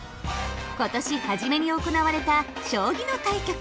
今年初めに行われた将棋の対局。